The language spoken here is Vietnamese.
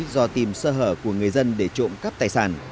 do tìm sơ hở của người dân để trộm cắp tài sản